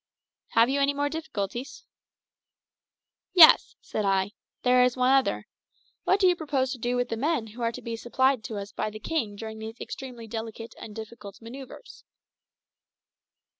"Have you any more difficulties?" "Yes," said I. "There is one other. What do you propose to do with the men who are to be supplied us by the king during these extremely delicate and difficult manoeuvres?"